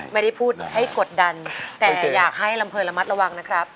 ไม่ได้พูดให้กดดันแต่อยากให้ลำเภยระมัดระวังนะครับ